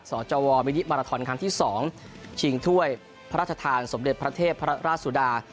จวมินิมาราทอนครั้งที่๒ชิงถ้วยพระราชทานสมเด็จพระเทพพระราชสุดา